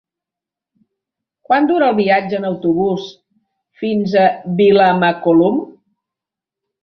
Quant dura el viatge en autobús fins a Vilamacolum?